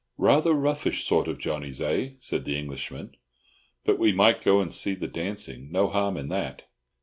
"Rather roughish sort of Johnnies, eh?" said the Englishman. "But we might go and see the dancing—no harm in that."